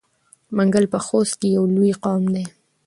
منګل په خوست کې یو لوی قوم دی.